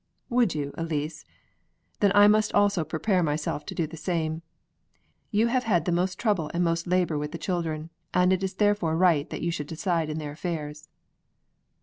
"Would you, Elise? then I must also prepare myself to do the same. You have had most trouble and most labor with the children, it is therefore right that you should decide in their affairs."